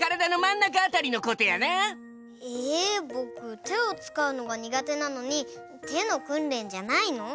ぼくてをつかうのがにがてなのにてのくんれんじゃないの？